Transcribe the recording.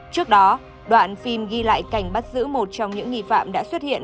trước đó đoạn phim ghi lại cảnh bắt giữ một trong những nghi phạm đã xuất hiện